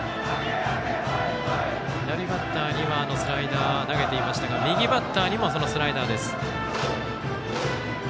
左バッターには、あのスライダー投げていましたが右バッターにもスライダーです。